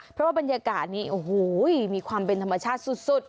เพราะว่าบรรยากาศนี้โอ้โหมีความเป็นธรรมชาติสุด